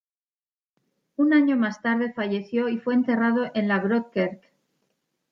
Un año más tarde falleció y fue enterrado en la Grote kerk.